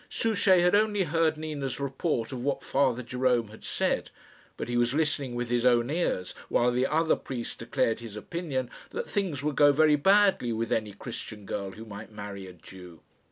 Souchey had only heard Nina's report of what Father Jerome had said, but he was listening with his own ears while the other priest declared his opinion that things would go very badly with any Christian girl who might marry a Jew.